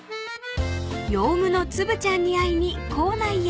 ［ヨウムのツブちゃんに会いに校内へ］